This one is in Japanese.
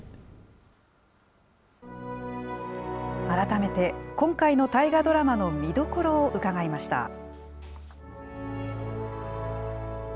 改めて、今回の大河ドラマの見どころを伺いました。